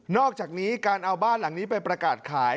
อกจากนี้การเอาบ้านหลังนี้ไปประกาศขาย